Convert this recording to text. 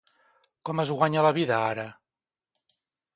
Com es guanya la vida ara?